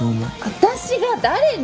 私が誰に？